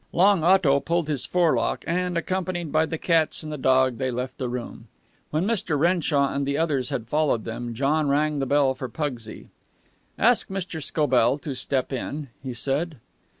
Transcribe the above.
Long Otto pulled his forelock, and, accompanied by the cats and the dog, they left the room. When Mr. Renshaw and the others had followed them, John rang the bell for Pugsy. "Ask Mr. Scobell to step in," he said.